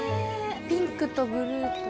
ピンクとブルーと紫。